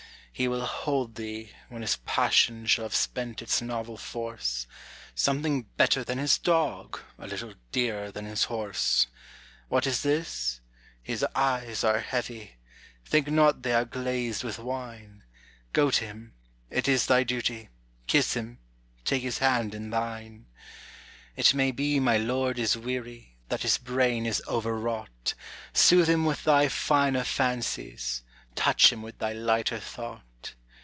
He will hold thee, when his passion shall have spent its novel force, Something better than his dog, a little dearer than his horse. What is this? his eyes are heavy, think not they are glazed with wine. Go to him; it is thy duty, kiss him; take his hand in thine. It may be my lord is weary, that his brain is over wrought, Soothe him with thy finer fancies, touch him with thy lighter thought.